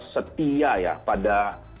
setia ya pada